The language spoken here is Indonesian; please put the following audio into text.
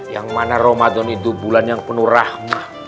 yang mana ramadan itu bulan yang penuh rahmat